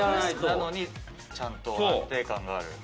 なのにちゃんと安定感がある。